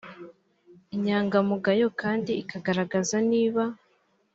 inyangamugayo kandi kigaragaza niba